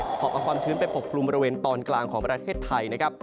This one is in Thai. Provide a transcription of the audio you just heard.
หอบเอาความชื้นไปปกกลุ่มบริเวณตอนกลางของประเทศไทยนะครับ